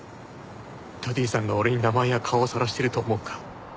ダディさんが俺に名前や顔をさらしてると思うか？